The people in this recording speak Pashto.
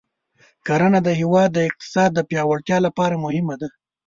کرنه د هېواد د اقتصاد د پیاوړتیا لپاره مهمه ده.